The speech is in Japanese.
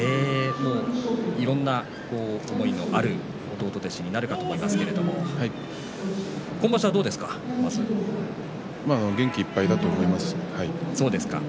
いろいろな思いのある弟弟子になるかと思いますけれど元気いっぱいだと思います。